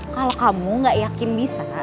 kalau kamu gak yakin bisa kan